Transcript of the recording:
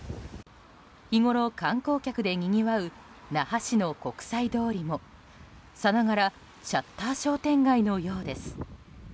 日ごろ、観光客でにぎわう那覇市の国際通りもさながらシャッター商店街のようです。